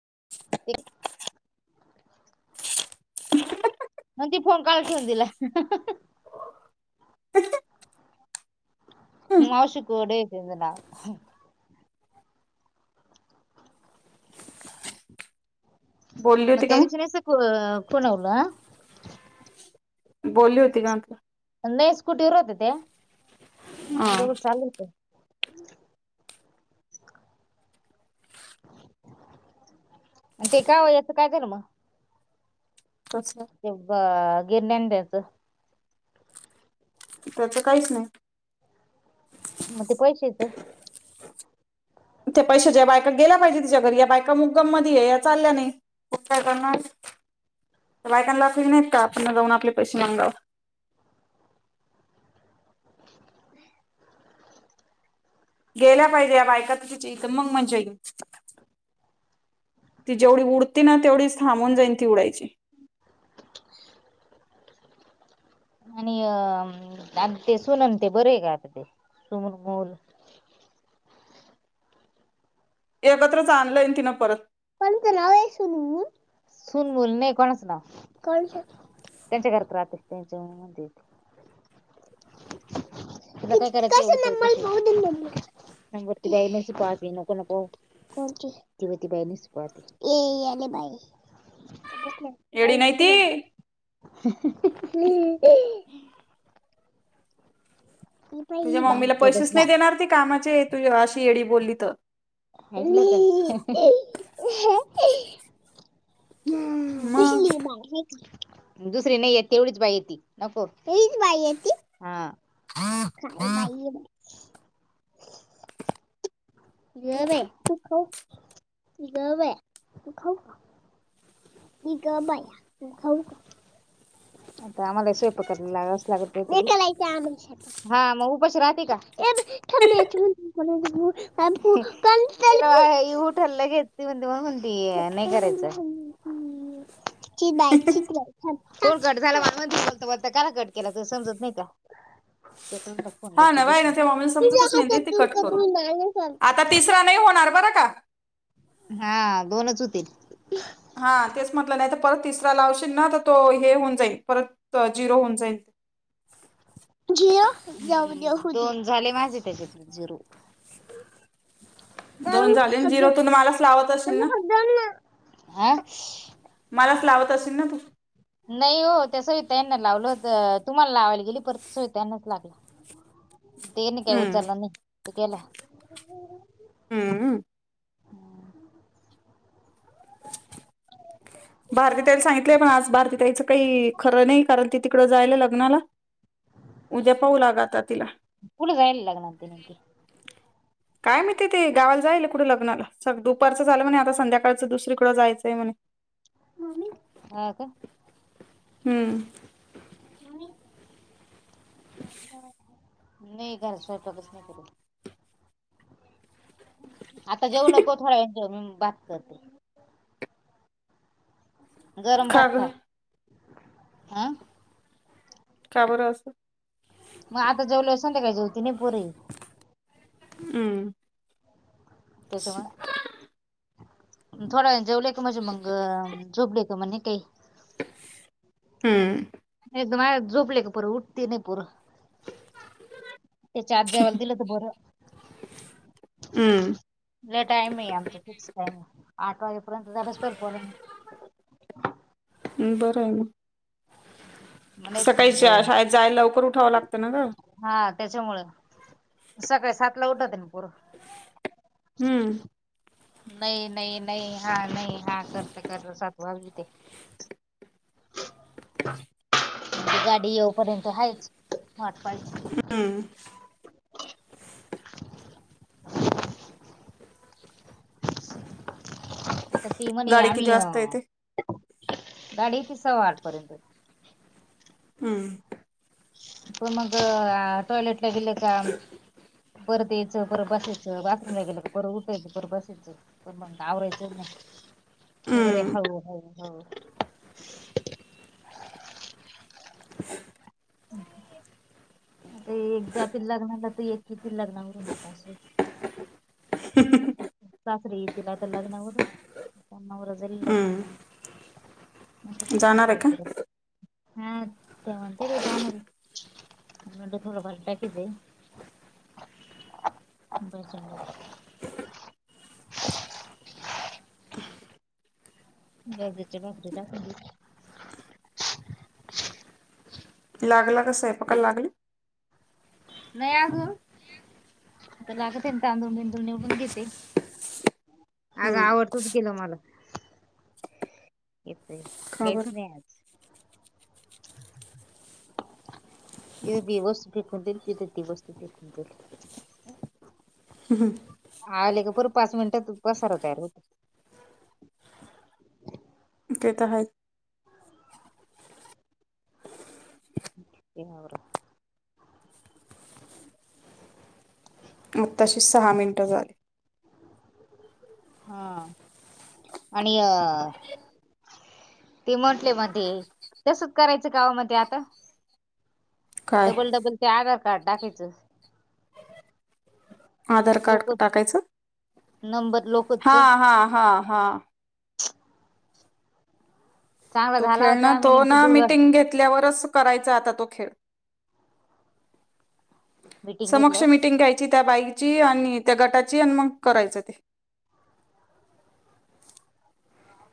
[unintelligible] [unintelligible] [unintelligible] हम्म. [unintelligible] बोलली मग होती त्या का दिवशी नाही, [unintelligible] बोलली होती, का? नई स्कूटी वर होते, ते न हा आम्ही दोघं चाललो होतो. आणि ते का, व याचं काय करु मग? तस [unintelligible] त्याचं काहीचं नाही. मग ते पैसेच ते पैशा ज्या बायका गेल्या पाहिजे. तिच्या घरी या बायका [unintelligible] मध्ये ये या चालल्या नाही. [unintelligible] बायकां ला [unintelligible] नाहीत, का आपण जाऊन आपले पैसे मागाव. [inaudible] गेल्या पाहिजे. या बायका तिची इथं मग मजा येईल. ती जेवढी उडती ना तेवढीच थांबून जाईन, ती उडायची. आणि अ आ ते सुन न ते बरं आहे का? [unintelligible] [inaudible] एकत्रच आणलंय तिनं परत. [unintelligible] सून मुल नाही, [unintelligible] कोणाचं नाव त्यांच्या घरात राहते. [unintelligible] [unintelligible] एडी नाही [unintelligible] ती [unintelligible] तुझ्या ही बाई मम्मीला गप बस पैसेच ना नाही देणार, ती कामाचे तु ज अशी येडी बोलली तर. [unintelligible] [unintelligible] मग दुसरी नाही य तेवढीच बाई हाय! ती. [unintelligible] [unintelligible] [unintelligible] [unintelligible] आता आम्हाला स्वयंपाकाला लागावचं लागेल, [unintelligible] [unintelligible] [unintelligible] [unintelligible] फोन कट झाला, मला म्हणशील तु बोलतता [unintelligible] कट केला त समजत नाही का? कटवून फोन हा, करते ना बस बाई! ना ते मला तुझ्या समजतच ना ही. ते ते हातातून कट करून कधी माणूस आलता. आता तिसरा नाही होणार बरं! [unintelligible] हा दोनच होतील हा तेच म्हटलं नाही तर परत तिसरा लावशील ना तर तो हे होऊन जाईल परत झिरो होऊन जाईल [inaudible] घ जाऊ दोन झाले माझे त्याच्यात झिरो काल दोन उठ झाले ना सद झिरो तू मलाच लावत असेल क ना फध मलाच लावत असेल ना तू नाही हो त्या सविता ताईंना लावलं होत तुम्हाला लावायला गेली परत सविता ताईंनाच लागला त्यांनी काय हम्म उचलला नाही मीच केला हम्म भारती ताईला सांगितलंय पण आज भारतीताईचं काही खरं नाही कारण ती तिकडं जायला लग्नाला उद्या पाहू लाग आता तिला कुठे जायला लागणार ते नेमके काय मी ते ते गावाला जायला कुठं लग्नाला सग दुपारचं झालं म्हणे आता संध्याकाळचं दुसरीकडं जायचंय म्हण हा का हम्म म नाही घर स्वयंपाकच नाही करू आता जाऊ नको थोड्या वेळाने जेव बास कर गरम का भात ग खा हा का बरं असं मग आता जेवल्यावर संध्याकाळ जेवती नय पोरी हम्म थोड्यावेळाने जेवलो की म्हणजे मग झोप येते मनुके हम्म [unintelligible] ते चार्जवर दिलं तर बरं. हं. लई टाईमे आमच फिक्स टाइमाय. आठ वाजेपर्यंत झाल्यास बरं आहे [unintelligible] मग. तर सकाळी मग शा शाळेत जायलवकर उठावं लागतंना ग. त्याच्यामुळ सकाळी सातला उठतेना पोरं. हम्म. नइ नइ नइ हां नइ हां करतं करत सात वाजूवते. गाडी येऊपर्यंत हायच आटपा हम्म. आता ती म्हणे गाडी आमी किती य वाजता येते? गाडी येती सव्वा‌ आठपर्यंत. हम्म. पन मग अआ टॉयलेटला गेलेका. परत येचं परत बसायचं बाथरूमला गेलं का पर उठायचं पर बसायचं पण मग आवरायचं नई. हे बरंय हं, हळू हळू हळू. [inaudible] आता एक जातील लग्नाला तर एक येतील लग्नावरून आता असय. सासरे येतील आता लग्नावरून. नवरा जाईल हं. लग्नाला मी तर तेच म्हंटल जाणार आहे काय का? कराव. हां ते म्हंतील जा म्हण मी म्हणल थोडं भल टाकीचय. बसच्या भरोश्या [inaudible] बाजरीच्या भाकरी टाकून द्यू. लागला का सैपाकाला लागली? नइ अजून आता लागते तांदूळ बिंदूळ निवडून घेते. आग हं. आवडतोचकीग मला. इथे का काईच बरं? नइ आज. इथं दीवस पिकवतील तिथ दिवसबी पिकतील. आले का पर पाच मिन्टात पसारा तयार होत. तेेतर हाय. कित्ती आवरा. [inaudible] मग तशी सहा मिन्टं झाली. हां आणि अ. ते म्हटले मध्ये तसच करायचं काओ मते आता? काय? डबल डबल ते आधार कार्ड टाकायचं. आधार कार्ड लोक क टाकायचं नंबर लोकच हां हां हां हां. [inaudible] चांगला तो झाला होता खेळना आम्ही तो नेमकी ना दोघं मीटिंग घेतल्यावरच करायचा आता तो खेळ. मिटिंग समक्ष घेतल्या मिटिंग घ्यायची. त्या बाईची आनी त्या गटाची अन मग करायच ते.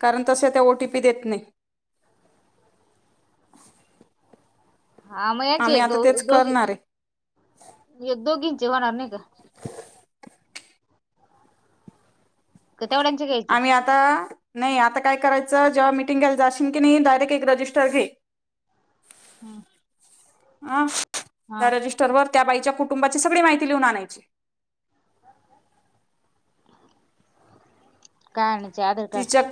कारण तस्या त्या ओटीपी देत नइ. [inaudible] हां म याचे आम्ही एक द आता तेच दोघी करणार आहे एक दोघींचे होणार नाही का? [inaudible] का तेवढ्यांचे घ्यायचे आम्ही आता आ नइ आता काय करायचं जेव्हा मीटिंग घ्यायला जाशीन की, नई डायरेक एक रजिस्टर घे. हम्. आं त्या रजिस्टर वर त्या बाईच्या कुटुंबाची सगडी माहिती लिहून आणायची. काय अनु. तिच्या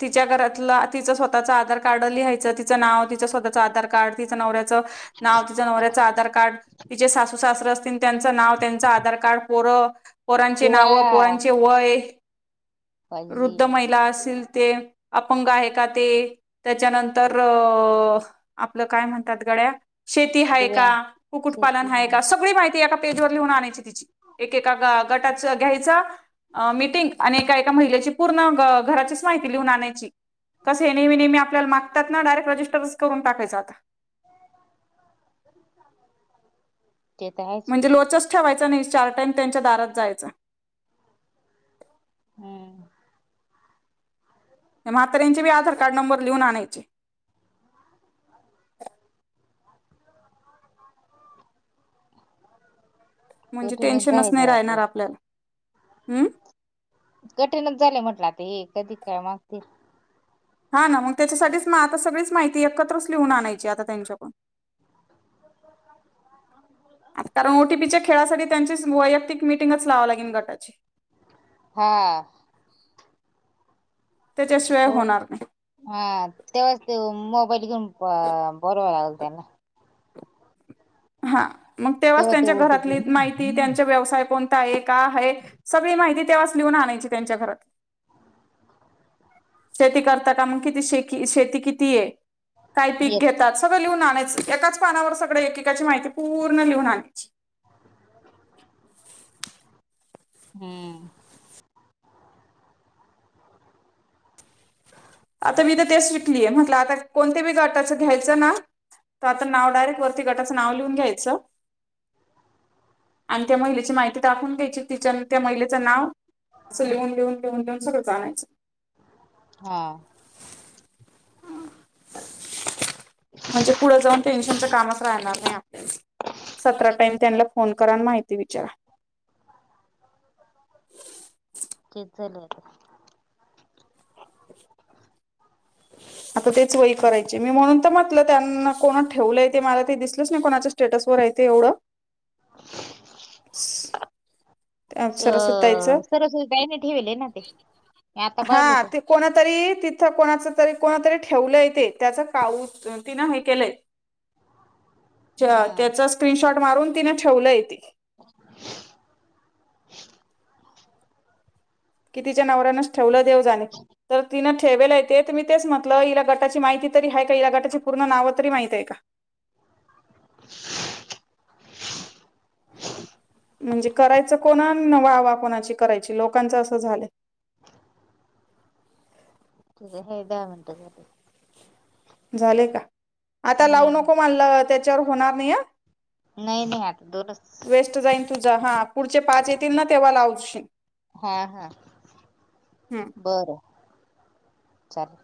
तिच्या घरात. तिं स्वतःचांधार कारड लिहायं तिचं नाव तिं स्वतःच आधार कार्ड ति नवऱ्या च नाव ति नवऱ्या आधार कार्ड ति सासू स त्यांच नाव त्यांच आधार कार्ड पोरं पोरांचे नाव दिवा पोरांचे वय. वृद्ध पाहिजे महिला असतील ते अपंग आहे, का ते त्याच्यानंतर अ आपलं काय म्हणतात गड्या. शेती आहे, दिव्या का शेती कुक्कुटपालन आहे, हा. का सगळी माहिती एका पेजवरर लिहून आणायची. तिचे एकका गटा घ्यायचा मिटिंग आणि ए महिलेची पूर्ण घ घराचीच माहिती लिहून आणायची. कस हे नेहमी नेहमी आपल्याला मागतात ना डायरेक्ट रजिस्टरच करून टाकायचा आता. [inaudible] आहेच म्हणजे लोचच ठेवायचा नाही चार टाइम त्यांच्या दारात जायच. हम्म. म्हाताऱ्यांंचे बी आधार कार्ड नंबर लिहून आणायचे. म्हणजे कठीणच टेन्शनच झाले नाही ते राहणार आता आपल्याला हम्. कठीणच झाले म्हटलं आता हे कधी काय मागतील. हा ना मग त्याच्यासाठीच म आता सगळीच माहिती एकत्रच लिहून आणायची आता त्यांच्याकडून. [inaudible] कारण ओटीपीच्या खेळासाठी त्यांची वैयक्तिक मिटिंगच लावं लागेल गटाची. हा. त्याच्याशिवाय हो होणार नाही. हा तेव्हाच ते मोबाईल घेऊन बरवा [unintelligible] लाग त्या ना. हा मग तेव्हाच तेव्हा ते त्यांच्या घरातली ओटीपी माहिती त्यांचा व्यवसाय कोणता आहे. सगळी माहिती तेव्हाच लिहून आणायची त्यांच्या घरात. शेती करता का मग किती शे शेती किती आहे, काय पीक एक घेतात सगळं लिहून एकाच पानावर सगळ एकेकाची माहिती पूर्ण लिहून आणायची. हम्म आता मी तर ते विकलीय म्हटलं आता कोणत बी गटाचं घ्यायचं ना तर आता नाव डायरेक्ट वरती गटाचं नाव लिहून घ्यायचं आणि त्या महिलेची माहिती दाखवून घ्यायची तिच्या त्या महिलेचं नाव असं लिहून लिहून लिहून लिहून सगळं जायचं हा म्हणजे पुढे जाऊन टेन्शनच कामच राहणार नाही आपल्या सतरा टाईम त्यांना फोन क माहिती विचारा च झालं आता ह आता तेच वय करायचे मी म्हणून तर म्हटलं त्यांना कोणा ठेवलंय ते मला ते दिसलंच नाही कोणाच्या स्टेटस वरयच ते एवढं [unintelligible] अ सरस्वताईचं सरस् काईने ठेवेल ना ते मी आता हा पाहिलंच ते कोणा तरी तिथं कोणाच तरी कोणा तरी ठेवलं येते त्याच काऊ तिनं हे केलंय हा त्याचा स्क्रीनशॉट मारून तिने ठेवलं येते [unintelligible] कि तिच्या नवऱ्यानच ठेवलं देव जाणे तर तिन ठेवेला येते तर मी तेच म्हटलं हिला गटाची माहिती तरी आहे का ह गटाची पूर्ण नाव तरी माहिती आहे का [unintelligible] म्हणजे करायचं कोणा वावा कोणाची करायची लोकांचं असं झालं ठीक आहे हे दहा मिनटंसाठी झाले का आता लावू हम्म नको म्हणलं त्याच्यावर होणार नाही या नाही नाही आता दोनच वेस्ट जाईन तुजा हा पुढचे पाच येतील ना तेव्हा लाव हा हा हम्म. बरं चाल